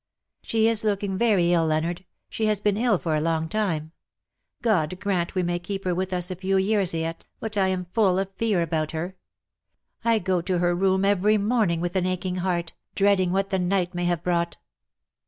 ^' She is looking very ill, Leonard. She has been ill for a long time. God grant we may keep her with us a few years yet, but I am full of fear about her. I go to her room every morning with an aching heart, dreading what the night may have brought.